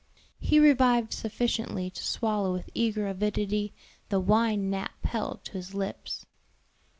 He revived sufficiently to swallow with eager avidity the wine Nap held to his lips.